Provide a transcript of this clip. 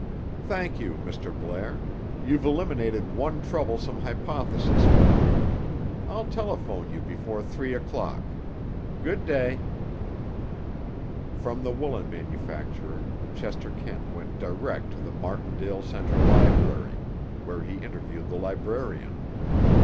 "Thank you, Mr. Blair. You've eliminated one troublesome hypothesis for me. I'll telephone you before three o'clock. Good day." From the woolen manufacturer, Chester Kent went direct to the Martindale Center library, where he interviewed the librarian.